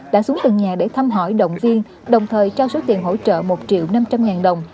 đã xuống từng nhà để thăm hỏi động viên đồng thời trao số tiền hỗ trợ một triệu năm trăm linh ngàn đồng